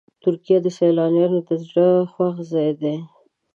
ترکیه د سیلانیانو د زړه خوښ ځای دی.